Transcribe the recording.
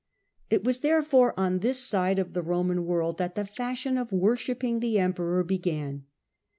It was, therefore, on this side of the Roman world that the fashion of worshipping the Emperor began.